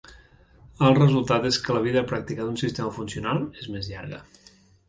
El resultat és que la vida pràctica d'un sistema funcional és més llarga.